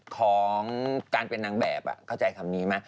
ของการเป็นนางแบบเหรอเข้าใจคำนี้มะ